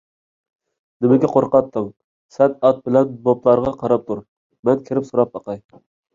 نېمىگە قورقاتتىڭ، سەن ئات بىلەن بوپىلارغا قاراپ تۇر، مەن كىرىپ سوراپ باقاي.